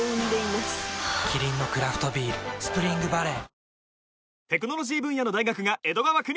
キリンのクラフトビール「スプリングバレー」